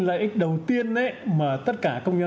lợi ích đầu tiên mà tất cả công nhân